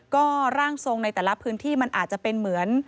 ก็ร่างทรงในแต่ละพื้นที่มันอาจจะเป็นเหมือน